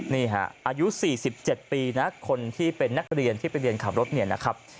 นี่ฮะอายุ๔๗ปีนะคนที่เป็นนักเรียนที่ไปเรียนขับรถเนี่ยนะครับ